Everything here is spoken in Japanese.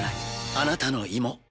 あなたの胃も。